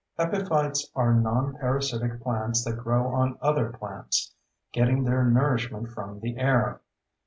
Epiphytes are non parasitic plants that grow on other plants, getting their nourishment from the air.